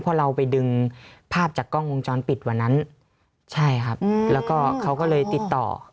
พอเราไปดึงภาพจากกล้องวงจรปิดวันนั้นใช่ครับแล้วก็เขาก็เลยติดต่อ